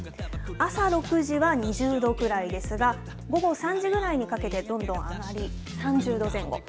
朝６時は２０度くらいですが、午後３時ぐらいにかけてどんどん上がり、３０度前後。